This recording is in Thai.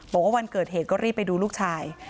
บอกว่าวันเกิดเหตุก็รีบไปดูลูกชาย